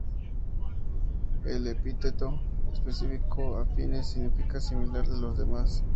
El epíteto específico "affinis" significa "similar a los demás".